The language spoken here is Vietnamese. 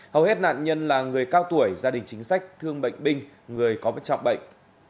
hầu hết nạn nhân là người cao tuổi gia đình chính sách thương bệnh binh người có bất trọng bệnh